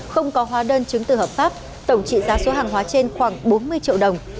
không có hóa đơn chứng từ hợp pháp tổng trị giá số hàng hóa trên khoảng bốn mươi triệu đồng